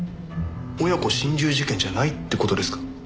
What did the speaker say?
親子心中事件じゃないって事ですか？